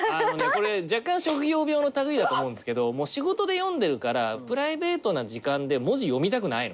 若干職業病の類いだと思うんですけど仕事で読んでるからプライベートな時間で文字読みたくないの。